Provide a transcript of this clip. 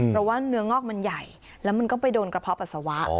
เพราะว่าเนื้องอกมันใหญ่แล้วมันก็ไปโดนกระเพาะปัสสาวะ